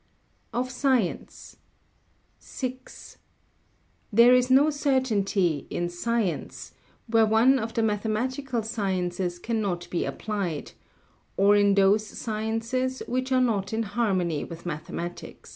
[Sidenote: Of Science] 6. There is no certainty [in science] where one of the mathematical sciences cannot be applied, or in those [sciences] which are not in harmony with mathematics.